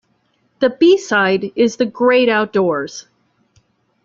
The B-side is The Great Outdoors!